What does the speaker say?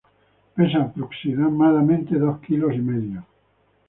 Pesa aproximadamente dos kilos y medio.